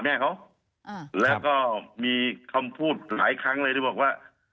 แม่เขาอ่าแล้วก็มีคำพูดหลายครั้งเลยที่บอกว่า